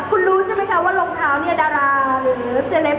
คุณรู้ใช่ไหมคะว่ารองเท้าเนี่ยดาราหรือเซเลป